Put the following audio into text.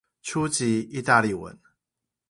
初級義大利文